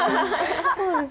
そうですね。